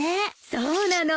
そうなの。